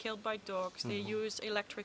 mereka menggunakan kabel elektrik